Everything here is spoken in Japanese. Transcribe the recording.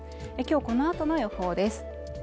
今日このあとの予報です